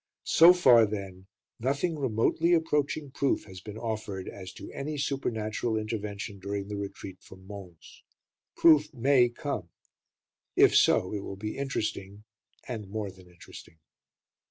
So far, then, nothing remotely approaching proof has been offered as to any supernatural intervention during the Retreat from Mons. Proof may come; if so, it will be interesting and more than interesting.